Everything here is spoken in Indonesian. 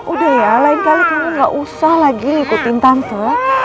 udah ya lain kali kamu gak usah lagi ngikutin tante